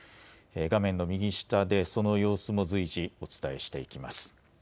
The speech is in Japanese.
画面の右下でその様子も随時、お伝えしていきます。